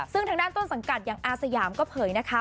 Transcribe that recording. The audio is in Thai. ซึ่งทางด้านต้นสังกัดอย่างอาสยามก็เผยนะคะ